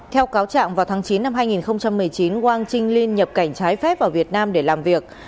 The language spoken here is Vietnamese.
theo cáo trạng vào tháng chín năm hai nghìn một mươi chín wang trinh linh nhập cảnh trái phép vào việt nam để làm việc